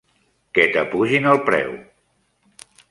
Que t'apugin el preu!